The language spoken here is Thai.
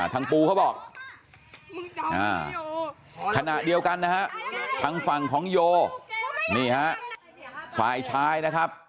ปูเขาบอกขณะเดียวกันนะฮะทางฝั่งของโยนี่ฮะฝ่ายชายนะครับ